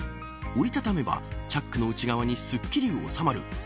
折りたためばチャックの内側にすっきり収まる